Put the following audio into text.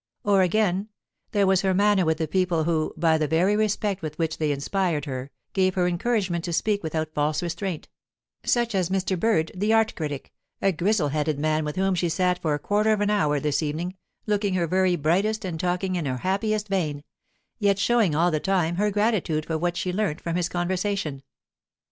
Or again, there was her manner with the people who, by the very respect with which they inspired her, gave her encouragement to speak without false restraint; such as Mr. Bird, the art critic, a grizzle headed man with whom she sat for a quarter of an hour this evening, looking her very brightest and talking in her happiest vein, yet showing all the time her gratitude for what she learnt from his conversation.